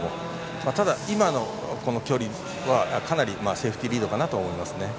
ただ、今のこの距離はかなりセーフティーリードかと思います。